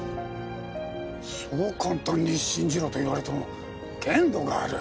そう簡単に信じろと言われても限度がある。